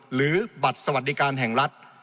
หรือบัตรสวัสดิการแห่งรัฐ